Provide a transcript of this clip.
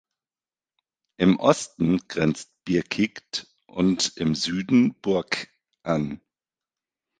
Im Osten grenzt Birkigt und im Süden Burgk an.